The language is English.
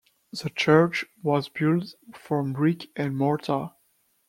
The church was built from brick and mortar.